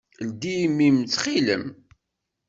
Ldi imi-m, ttxil-m!